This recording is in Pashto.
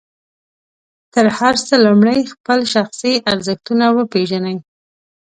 تر هر څه لومړی خپل شخصي ارزښتونه وپېژنئ.